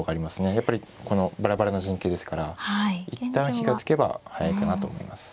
やっぱりこのバラバラな陣形ですから一旦火がつけば速いかなと思います。